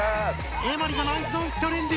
エマリがナイスダンスチャレンジ！